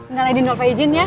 ngalain di nova ejin ya